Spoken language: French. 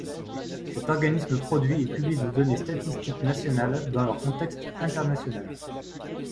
Cet organisme produit et publie des données statistiques nationales dans leur contexte international.